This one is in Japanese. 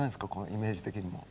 イメージ的にも。